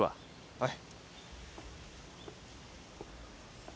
はい。